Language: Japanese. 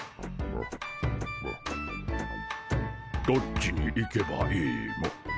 どっちに行けばいいモ。